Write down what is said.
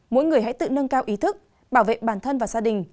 mỗi người hãy tự nâng cao ý thức bảo vệ bản thân và gia đình